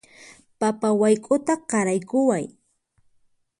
Papa wayk'uta qaraykuway